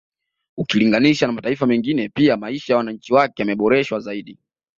Ukilinganisha na mataifa mengine pia maisha ya wananchi wake yameboreshwa zaidi